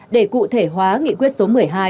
để cụ thể hóa nghị quyết số một mươi hai